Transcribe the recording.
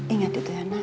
ingat itu ya nak